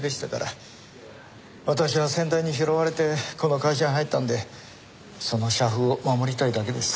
私は先代に拾われてこの会社に入ったんでその社風を守りたいだけです。